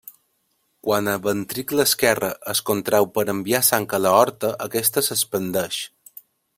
Quan el ventricle esquerre es contreu per enviar sang a l'aorta, aquesta s'expandeix.